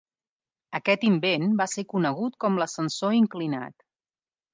Aquest invent va ser conegut com l'ascensor inclinat.